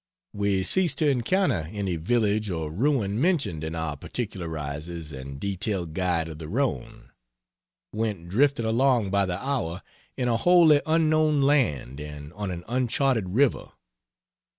We ceased to encounter any village or ruin mentioned in our "particularizes" and detailed Guide of the Rhone went drifting along by the hour in a wholly unknown land and on an uncharted river!